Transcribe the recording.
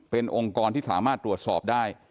เป็นองค์กรที่สามารถตรวจสอบได้